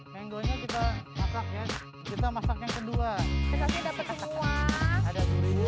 hai yang doanya kita masak ya kita masaknya kedua dapat semua ada